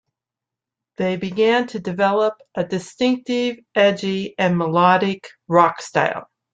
They began to develop a distinctive, edgy and melodic rock style.